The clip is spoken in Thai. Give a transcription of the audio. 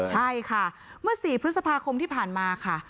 ใช่ค่ะเมื่อ๔พฤษภาคมที่ผ่านมาค่ะ